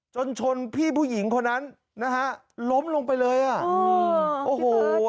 จนชนพี่ผู้หญิงคนนั้นนะฮะล้มลงไปเลยอ่ะโอ้โห